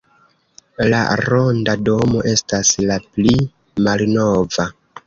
La ronda domo estas la pli malnova.